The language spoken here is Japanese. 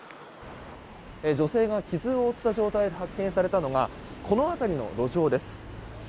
女性が傷を負った状態で発見されたのがこの辺りの路上です。